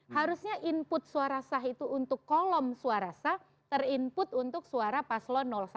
harusnya input suara sah itu untuk kolom suara sah ter input untuk suara paslon satu